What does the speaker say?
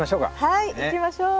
はい行きましょう！